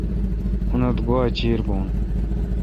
اونتھ گوا چیر بھون۔